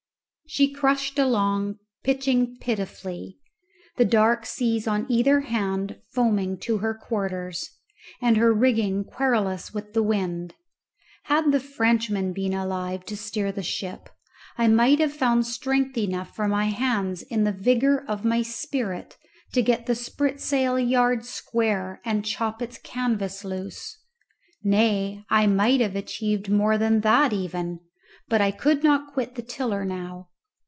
She crushed along, pitching pitifully, the dark seas on either hand foaming to her quarters, and her rigging querulous with the wind. Had the Frenchman been alive to steer the ship, I might have found strength enough for my hands in the vigour of my spirit to get the spritsail yard square and chop its canvas loose nay, I might have achieved more than that even; but I could not quit the tiller now.